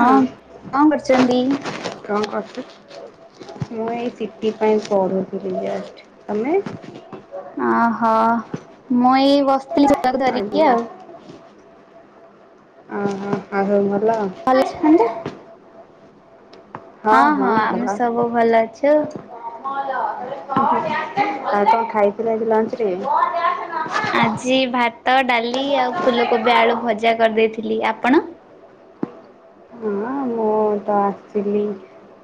ହଁ କଁ କରୁଛନ୍ତି? କଁ କରୁଥୁ ମୁଁ ଏଇ ସିଟି ପାଇଁ ପଢୁଥିଲି ଜଷ୍ଟ ତମେ? ଓହୋ ମୁଁ ଏଇ [unintelligible] ବସିଥିଲି ଛୁଆକୁ ଓହୋ। ଧରିକି ଆଉ। ଆଉ ସବୁ ଭଲ। ହଁ ହଁ ଆମେ ସବୁ ଭଲ ଅଛୁ। ଆଉ କଁ ଖାଇଥିଲେ ଆଜି ଲଞ୍ଚରେ? ଆଜି ଭାତ ଡାଲି ଆଉ ଫୁଲକୋବି ଆଳୁ ଭଜା କରିଦେଇଥିଲି ଆପଣ? ହଁ ମୁଁ ତ ଆସଥିଲି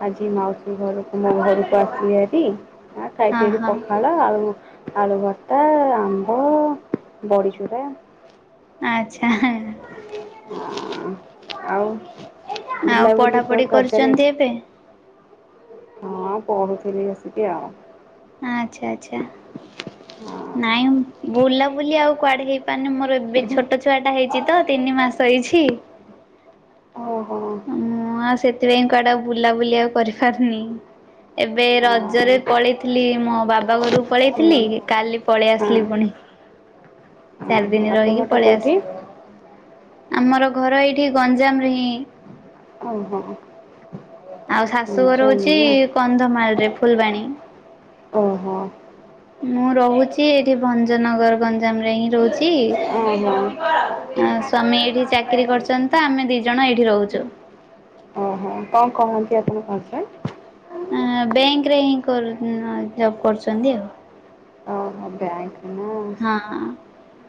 ଆଜି ମାଉସୀ ଘରକୁ ଘରକୁ ଆସିଛିବାରି ହଁ ଖାଇଛି ହଁ ପଖାଳ ଆଉ ଆଳୁ ଭର୍ତ୍ତା ଆମ୍ବ ବଡ଼ିଚୁରା। ଆଚ୍ଛା। ଆଉ ଆଉ ବୁଲାବୁଲି ପଢାପଢି କୁଆଡେ ଦରକାରେ। କରୁଛନ୍ତି ଏବେ? ହଁ ପଢୁଥିଲି ଆସିକି ଆଉ। ଆଚ୍ଛା ଆଚ୍ଛା। ହଁ। ନାଇଁ ବୁଲାବୁଲି ଆଉ କୁଆଡେ ହେଇପାରୁନି ମୋର ଏବେ ଛୋଟ ଛୁଆ ଟା ହେଇଛି ତ ତିନି ମାସ ହେଇଛି। ଓହୋ। ହଁ ଆ ସେଥିପାଇଁ କୁଆଡେ ଆଉ ବୁଲାବୁଲି ଆଉ କରିପାରୁନି। ଏବେ ରଜରେ ପଳେଇଥିଲି ମୋ ବାବା ଘରକୁ ହୁଁ। ପଳେଇଥିଲି କାଲି ପଳେଇ ହଁ ଆସିଲି ପୁଣି। ଚାରି ଓହୋ ଦିନି ଆପଣଙ୍କ ରହିକି ଘରଟା ପଳେଇ ଆସି କୋଉଠି? ଆମର ଘର ଏଇଠି ଗଞ୍ଜାମରେ ହିଁ। ଓହୋ। ଆଉ ଶାଶୁଘର ଗଞ୍ଜାମ ହଉଛି ନା କନ୍ଧମାଳ ରେ ଫୁଲବାଣୀ। ଓହୋ। ମୁଁ ରହୁଛି ଏଇଠି ଭଞ୍ଜନଗର ଗଞ୍ଜାମ ରେ ହିଁ ରହୁଛି। ଓହୋ। ଆ ସ୍ଵାମୀ ଏଇଠି ଚାକିରି କରୁଛନ୍ତି ତ ଆମେ ଦି ଜଣ ଏଇଠି ରହୁଛୁ। ଓହୋ କଣ କରନ୍ତି ଆପଣଙ୍କ ହଜେବେଣ୍ଡ? ବେଙ୍କ ରେ ହିଁ କରୁ ଜବ କରୁଛନ୍ତି ଆଉ। ଓ ବ୍ୟାଙ୍କ। ହଁ।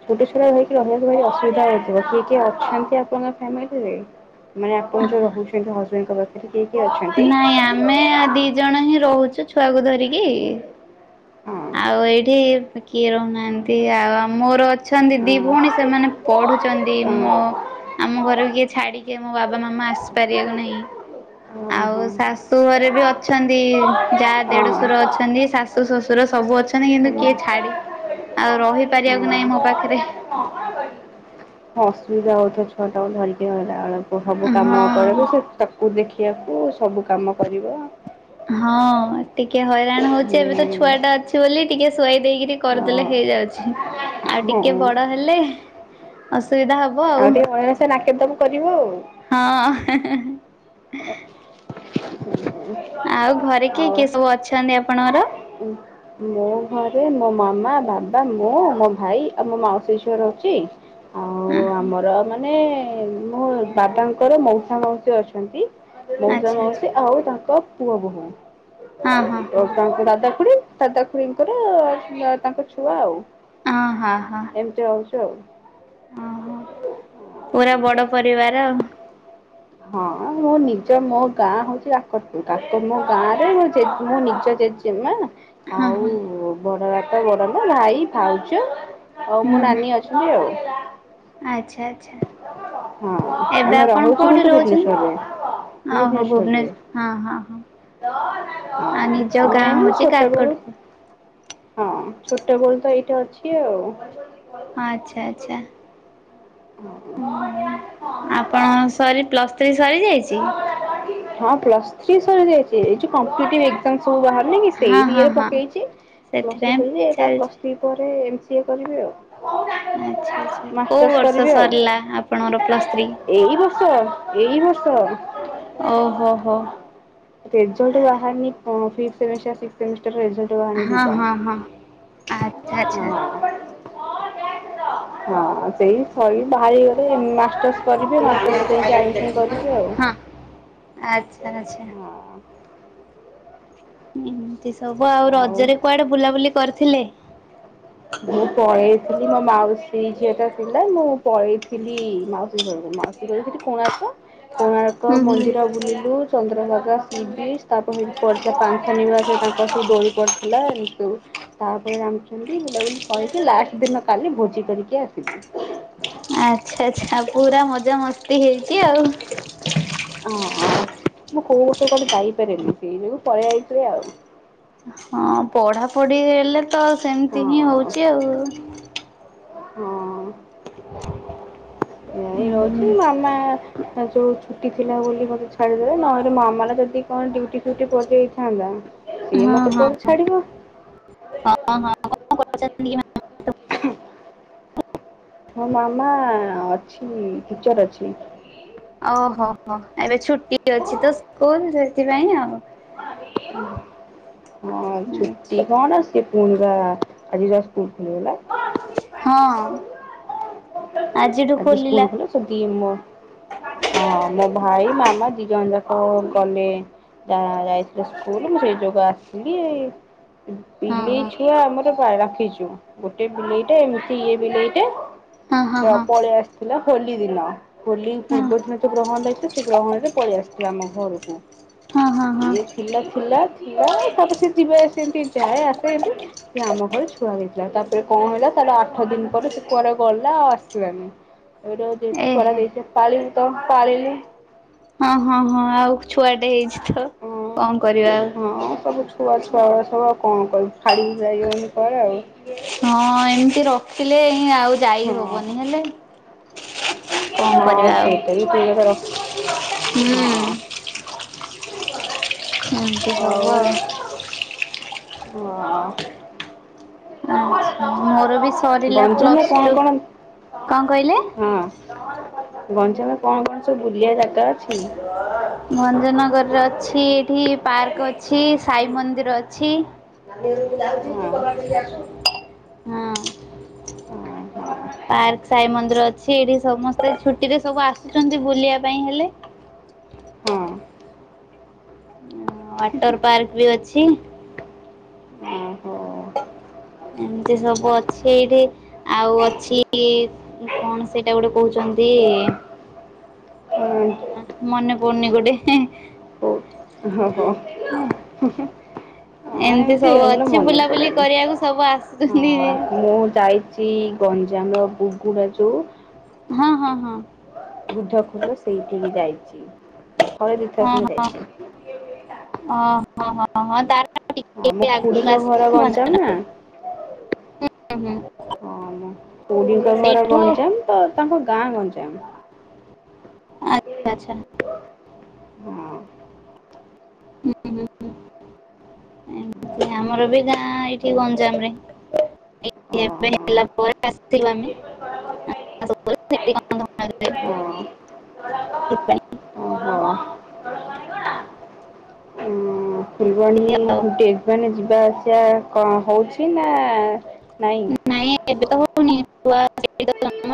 ଗୋଟିଏ ଶୁଣା ହେଇଥିବ [unintelligible] ଅସୁବିଧା ହୋଉଥିବ କିଏ କିଏ ଅଛନ୍ତି ଆପଣଙ୍କ ଫ୍ୟାମିଲିରେ? ମାନେ ଆପଣ ଯୋଉ ରହୁଛନ୍ତି ହଜବେଣ୍ଡଙ୍କ ପାଖରେ କିଏ କିଏ ଅଛନ୍ତି? ନାଇଁ ଆମେ ଦି ଜଣ ହିଁ ରହୁଛୁ ଛୁଆକୁ ଧରିକି ହଁ ଆଉ ଏଇଠି କିଏ ରହୁନାହାନ୍ତି ଆଉ ମୋର ଅଛନ୍ତି ହଁ। ଦି ଭଉଣୀ ସେମାନେ ପଢୁଛନ୍ତି ହଁ ମୋ ଆମ ଘର କିଏ ଛାଡ଼ିକି ମୋ ବାବା ମାମା ଆସିପାରିବାକୁ ନାହିଁ। ଆଉ ଶାଶୁ ଘରେ ବି ଅଛନ୍ତି ଯାଆ ଦେଢଶୁର ଅଛନ୍ତି ଶାଶ ଶୁ ଶଶୁର ସବୁ ଅଛନ୍ତି କିନ୍ତୁ କିଏ ଛାଡି ଆଉ ହଁ। ରହିପାରିବାକୁ ନାହିଁ ହଁ। ମୋ ପାଖରେ। [unintelligible] ହଁ ଅସୁବିଧା ହଉଛି ଛୁଆ ଟା କୁ ଧରିକି ରହିଲାବେଳକୁ ସବୁ କାମ ହଁ। କରିବୁ ତାକୁ କୁ ଦେଖିବାକୁ ସବୁ କାମ କରିବ। ହଁ ଟିକେ ହଇରାଣ ହଉଛି ଏବେ ତ ହୁଁ ଛୁଆ ଟା ଅଛି ବୋଲି ଟିକେ ଶୁଆଇ ଦେଇକରି କରିଦେଲେ ହେଇଯାଉଛି ଆଉ ଟିକେ ହଁ ବଡ ହେଲେ ଅସୁବିଧା ହବ। ଆଉ ଟିକେ ଭଲସେ ନାକେଦମ୍ କରିବ ଆଉ। ହଁ। ଆଉ ଘରେ [unintelligible] କିଏ ଆଉ କିଏ ସବୁ ଅଛନ୍ତି ଆପଣଙ୍କର? ମୋ ଘରେ ମୋ ମାମା ବାବା ମୁଁ ମୋ ଭାଇ ଆଉ ମୋ ମାଉସୀ ଝିଅ ରହୁଚି। ଆଉ ଆମର ମାନେ ମୋ ଦାଦା ଙ୍କର ମଉସା ମାଉସୀ ଅଛନ୍ତି ମଉସା ଆଚ୍ଛା ଆଚ୍ଛା ମାଉସୀ ଆଉ ତାଙ୍କ ପୁଅ ବୋହୂ। ହଁ ତ ହଁ ତାଙ୍କ ଦାଦା ଖୁଡି ଦାଦା ଖୁଡିଙ୍କର ତାଙ୍କ ଛୁଆ ଆଉ। ହଁ ହଁ ହଁ। [unintelligible] ଆଉ। ଓହୋ ପୁରା ବଡ ପରିବାର। ହଁ ମୋ ନିଜ ମୋ ଗାଁ ହଉଚି କାକଟପୁର କାକ ମୋ ଗାଁ ରେ ମୁଁ ନିଜ ଜେଜ୍ ଜେମା ହଁ ଆଉ ହଁ। ବଡ ବାପା ବଡ ମାଁ ଭାଇ ଭାଉଜ ଅଉ ହୁଁ ମୋ ହୁଁ ନାନୀ ଅଛନ୍ତି ଆଉ। ଆଚ୍ଛା ଆଚ୍ଛା ହଁ ଏବେ ଆମେ ଆପଣ ରହୁଛୁ କୋଉଠି କିନ୍ତୁ ରହୁଛନ୍ତି? ଭୁବନେଶ୍ଵରରେ। ଆ ହୋ ଭୁବନେଶ୍ଵରରେ ଭୁବନେଶ୍ୱ- ହଁ ହଁ ହଁ। ଆ ହଁ ନିଜ ଆମେ ଗାଁ ଏନ୍ତି ହଉଚି ଛୋଟବେଳୁ କାକଟପୁର। ହଁ ଛୋଟ ବେଳୁ ତ ଏଇଠି ଅଛି ଆଉ। ହଁ ଆଚ୍ଛା ଆଛା। ଓହୋ ହଁ। ଆପଣ ସରି ପ୍ଲସ୍ ଥ୍ରୀ ସରିଯାଇଚି? ହଁ ପ୍ଲସ୍ ଥ୍ରି ସରିଯାଇଚି ଏ ଯୋଉ କମ୍ପିଟୀ ସବୁ ବାହାରୁନି କି ହଁ ସେଇ ହଁ ରେ ହଁ ପକେଇଛି ସେଥିପାଇଁ ପ୍ଲସ ଥ୍ରି [unintelligible] ଚାଲିଛି। ଥ୍ରି ପରେ ଏମ ସି ଏ କରିବି ଆଉ। ଆଚ୍ଛା ଆଛା କୋଉ ମାଷ୍ଟର୍ସ ବର୍ଷ କରିବି ଆଉ। ସରିଲା ଆପଣଙ୍କର ପ୍ଲସ ଥ୍ରି? ଏଇ ବର୍ଷ ଏଇ ବର୍ଷ ଓହୋ ହୋ। ରେଜଲ୍ଟ ବାହାରିନି ହ ଫିତ୍ପ ସେମିଷ୍ଟର ସିକ୍ସ ସେମିଷ୍ଟର ରେଜଲ୍ଟ। ହଁ ହଁ ହଁ। ଆଚ୍ଛା [unintelligible] ଦିଇଟା, ଆଚ୍ଛା ହଁ। ହଁ ସେଇ କରିବି ବାହାରିଗଲେ ମାଷ୍ଟର୍ସ କରିବି ମାଷ୍ଟର୍ସରେ ଯାଇକି ଆଡ଼ମିସନ କରିବି ଆଉ। ଆଛା ଆଛା। ହଁ ଏମିତି ସବୁ ଆଉ ରଜରେ କୁଆଡେ ବୁଲାବୁଲି କରିଥିଲେ? ମୁଁ ପଲେଇଥିଲି ମୋ ମାଉସୀ ଝିଅ ତ ଥିଲା ମୁଁ ପଳେଇ ଥିଲି ମାଉସୀ ଘରକୁ ମାଉ [unintelligible] କୋଣାର୍କ କୋଣାର୍କ ହୁଁ ହୁଁ ମନ୍ଦିର ବୁଲିଲୁ ଚନ୍ଦ୍ରଭାଗା ସିବିଚ୍ ତାପରେ ହେଇଟି ପଡ଼ିଥିଲା ପାନ୍ତ ନିବାସ ତାଙ୍କର ସବୁ ଦୋଳି ପଡିଥିଲା ଏମିତି ସବୁ। ତାପରେ ରାମଚଣ୍ଡୀ ବୁଲାବୁଲି କରିକି ଲାଷ୍ଟ ଦିନ କାଲି ଭୋଜି କରିକି ଆସିଲୁ। ଆଚ୍ଛା ଆଚ୍ଛା ପୁରା ମଜା ମସ୍ତି ହେଇଚି ଆଉ। ହଁ ମୁଁ କୋଉବର୍ଷ କୁଆଡେ ଯାଇପାରେନି ସେଇ ଯୋଗୁ ପଳେଇଆଇଥିଲି ଆଉ। ହଁ ପଢାପଢି ହେଲେ ତ ସେମିତି ହିଁ ହଁ ହଉଚି ଆଉ। ହଁ। ଏଇ ହୁଁ ରହୁଚି ମାମା ଏ ଯଉ ଛୁଟି ଥିଲା ବୋଲି ମୋତେ ଛାଡ଼ିଦେଲେ ନହେଲେ ମାମା ର ଯଦି କଣ ଡ୍ୟୁଟି ଫୁଟି ପଡ଼ିଯାଇଥାନ୍ତା ସିଏ ହଁ ମତେ କୁଆଡୁ ହଁ। ଛାଡିବ। [unintelligible] ହଁ ମାମା ଅଛି ଟିଚରର୍ ଅଛି। ଓହୋ ହୋ ଏବେ ଛୁଟି ଅଛି ତ ସ୍କୁଲ ସେଥିପାଇଁ ଆଉ। ହଁ ଆଚ୍ଛା ଛୁଟି କଣ ସେ ପୁଣି ବା ଆଜି ତା ସ୍କୁଲ ଖୋ। ହଁ। ଆଜିଠୁ ଆଜି ଖୋଲିଲା। ସ୍କୁଲ ଖୋଲା ସବୁ ଦି ମୋ ହଁ ମୋ ଭାଇ ମାମା ଦିଜଣ ଯାକ ଗଲେ ଯା ଯାଇଥିଲେ ସ୍କୁଲୁ ମୁଁ ସେଇ ଯୋଗୁ ଆସିିକି ହଁ ବିଲେଇ ହଁ ଛୁଆ ଆମରପା-ରଖିଛୁ ଗୋଟେ ବିଲେଇଟେ ଏମିତି ଇଏ ବିଲେଇଟେ ହଁ ହଁ ହଁ। ସେ ଆସିଥିଲା ହୋଲି ଦିନ। ହୋଲି ହଁ ପୂର୍ବ ଦିନ ଯୋଉ ଗ୍ରହଣ ରହିଥିଲା ସେ ଗ୍ରହଣରେ ପଳେଇ ଆସିଥିଲା ଆମ ଘରକୁ। ହଁ, ହଁ, ସିଏ ହଁ। ଥିଲା ଥିଲା ଥିଲା ତାପରେ ସେ ଯିବା ସେମିତି ଯାଏ ଆସେ ଏମିତି। ସିଏ ଆମ ଘରେ ଛୁଆ ହେଇଥିଲା। ତାପରେ କଣ ହେଲା ତାର ଆଠ ଦିନ ପରେ ସେ କୁଆଡେ ଗଲା ଆସ ସିଲାନି [unintelligible] ଛୁଆ ଏ ଟା ହେ ଦେଇଛ ତ ପାଳିଲୁ ତ ପାଳିଲି। ହଁ, ହଁ, ହଁ ଆଉ ଛୁଆଟେ ହେଇଛି ତ ହଁ କଣ କରିବା ଆଉ। ହଁ ସବୁ ଛୁଆ ଛୁଆ ଉରା ସବୁ ଆଉ କଣ କରିବୁ? ଛାଡିକି ଯାଇ ହୋଉନି କୁଆଡେ ଆଉ। ହଁ ଏମିତି ରଖିଲେ ହିଁ ଆଉ ଯାଇ ହଁ ହବନି ହେଲେ କଣ ହଁ କରିବା ଆଉ ସେଇଟା ବି ଠିକ କଥା ର ହୁଁ, ଏମତି ସବୁ ଆଉ। ହଁ, ଆ ଆଚ୍ଛା ମୋର ବି ସରିଲା ଗଞ୍ଜାମରେ ପ୍ଲସ୍ କଣ ଟୁ, କଣ କଣ କହିଲେ? ହଁ ଗଞ୍ଜାମରେ କଣ କଣ ସବୁ ବୁଲିବା ଜାଗା ଅଛି? ଭଞ୍ଜନଗରରେ ଅଛି ଏଠି ପାର୍କ ଅଛି, ସାଇ ମନ୍ଦିର ଅଛି। ହଁ। ଅଁ, ହଁ। ପାର୍କ ସାଇ ମନ୍ଦିର ଅଛି ଏଠି ସମସ୍ତେ ଛୁଟିରେ ସବୁ ଆସୁଚନ୍ତି ବୁଲିବା ପାଇଁ ହେଲେ। ହଁ। ଅ, ୱାଟର୍ ପାର୍କ ବି ଅଛି। ଆଁ, ଏମିତି ସବୁ ଅଛି ଏଇଠି ଆଉ ଅଛି କଣ ସେଇଟା ଗୋଟେ କହୁଛନ୍ତି [inaudible] ଆଁ, ଓହୋ ମନେ ପଡୁନି ଗୋଟେ। ଓ ଆଉ କଅ। ହଁ ଏମିତି ସବୁ ମୋର ଅଛି ମନେ ବୁଲାବୁଲି ପଡେନି, କରିବାକୁ ସବୁ ଆସୁଛନ୍ତି ହଁ ମୁଁ ଯାଇ ଚି ଗଞ୍ଜାମ ଗୁଗୁଡା ଯୋଉ ହଁ, ହଁ, ହଁ। ବୁଦ୍ଧ ଖୋଲ ସେଇଠିକି ଯାଇଛି ଥରେ ଦିଥର ଖଣ୍ଡେ ଯାଇଛି। ଓହୋ, ହଁ, ହଁ, ହଁ ତାର ଆମ ଟିକେ ଆଗକୁ ଖୁୁଡୀଙ୍କ ଆସ ଘର ଭଞ୍ଜନଗର ଗଞ୍ଜାମ ନା। ହୁଁ ହୁଁ ହଁ ମୋ ଖୁଡ଼ିଙ୍କ ଘର ସେଇଠୁ ଗଞ୍ଜାମ ତ ତାଙ୍କ ଗାଁ ଗଞ୍ଜାମ। [inaudible] ଆଚ୍ଛା ଆଚ୍ଛା। ହଁ ଓ [inaudible] ଏମତି ଆମର ବି ଗାଁ ଏଇଠି ଗଞ୍ଜାମ ରେ। ହଁ। [inaudible] ଓହୋ। ହେଲା ପରେ ଆସଥିଲାନି। [inaudible] ଓହୋ। ଉଁ ଫୁଲବାଣୀ ଆଉ [unintelligible] ଟେ ମାନେ ଯିବା ଆସିବା କଣ ହଉଛି ନା ନାଇଁ? ନାଇଁ ଏବେ ତ ହଉନି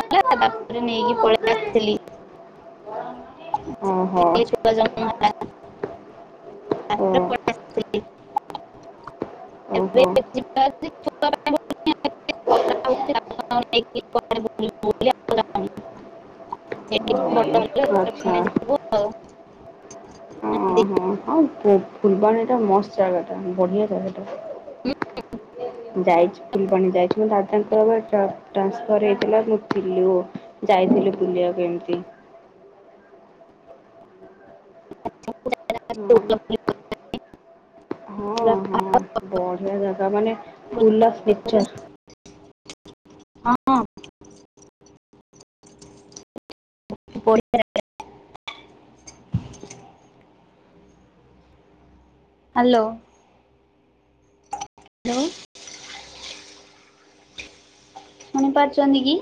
[inaudible] ନେଇକି ପଳେଇ ଆସିଥିଲି। [unintelligible] ଓହୋ। ସେଠି ଛୁଆ ଜନ୍ମ ହେଲା ଓ [unintelligible] ଓହୋ [unintelligible] [unintelligible] ସେଇଠି ବଡ ହେଲେ ଆଚ୍ଛା। ପୁଣି ଯିବୁ ଆଉ ଓ ହୋ ହଉ ଫୁଲବାଣୀଟା ମସ୍ତ ଜାଗା ଟା ବଢିଆ ଜାଗାଟା। [inaudible] ଯାଇଛି ଫୁଲବାଣୀ ଯାଇଛି ମୋ ଦାଦାଙ୍କର ବା ଟା ଟ୍ରାନ୍ସଫର ହେଇଥିଲା ମୁଁ ଥିଲି ବହୁତ୍ ଯାଇଥିଲୁ ବୁଲିବାକୁ ଏମିତି। ହଁ [unintelligible] ହଁ ହଁ ବଢିଆ ଜାଗା ମାନେ ଫୁଲ୍ ଓଫ୍ ନେଚର। ହଁ। [unintelligible] [inaudible] ବଢିଆ ଯା ହ୍ୟାଲୋ। ଲୋ [unintelligible] ଶୁଣିପାରୁଛନ୍ତି କି?